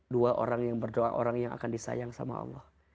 dua orang yang berdoa orang yang akan disayang sama allah